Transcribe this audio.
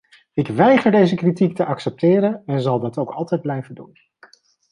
Ik weiger deze kritiek te accepteren en zal dat ook altijd blijven doen.